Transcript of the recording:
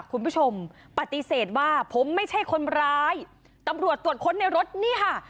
คุณผู้ชมปฏิเสธว่าผมไม่ใช่คนร้ายตำรวจตรวจค้นในรถนี่ค่ะ